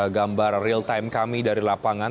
gambar real time kami dari lapangan